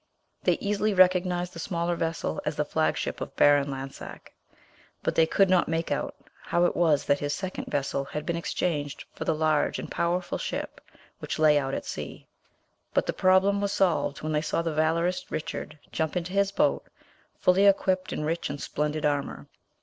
They easily recognised the smaller vessel as the flag ship of Baron Lansac; but they could not make out how it was that his second vessel had been exchanged for the large and powerful ship which lay out at sea. But the problem was solved when they saw the valorous Richard jump into his boat, fully equipped in rich and splendid armour.